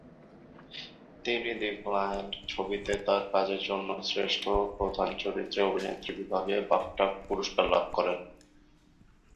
তিনি "the client" ছবিতে তার কাজের জন্য শ্রেষ্ঠ প্রধান চরিত্রে অভিনেত্রী বিভাগে বাফটা পুরস্কার লাভ করেন।